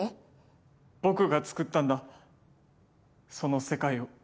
僕が作ったんだその世界を。